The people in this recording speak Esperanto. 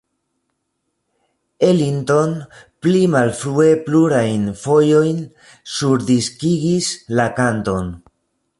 Ellington pli malfrue plurajn fojojn surdiskigis la kanton.